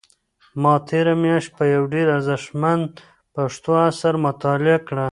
ما تېره میاشت یو ډېر ارزښتمن پښتو اثر مطالعه کړ.